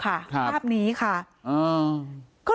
นางศรีพรายดาเสียยุ๕๑ปี